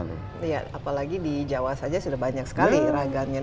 iya apalagi di jawa saja sudah banyak sekali ragamnya